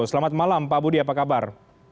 selamat malam pak budi apa kabar